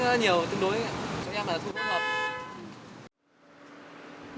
cũng nhiều tương đối